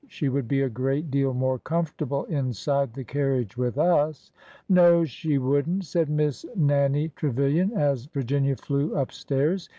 She would be a great deal more comfortable inside the carriage with us." ''No, she wouldn't!" said Miss Nannie Trevilian, as Virginia flew up stairs.